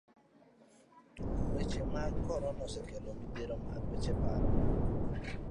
Weche mag korona osekelo midhiero mag weche paro.